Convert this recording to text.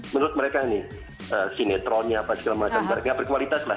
menurut mereka ini sinetronnya apa segala macam nggak berkualitas lah